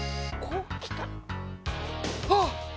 あっ！